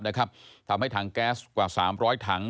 ทำให้ถังแก๊สกว่า๓๐๐ถัง